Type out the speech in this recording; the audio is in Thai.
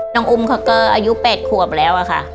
น้องอุ้มเขาก็อายุ๘ขวบแล้วอะค่ะ